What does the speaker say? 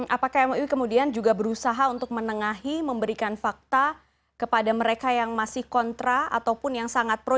apakah mui kemudian juga berusaha untuk menengahi memberikan fakta kepada mereka yang masih kontra ataupun yang sangat pro